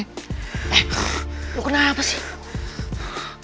eh lu kenapa sih